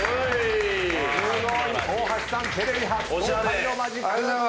すごい！大橋さんテレビ初公開のマジック！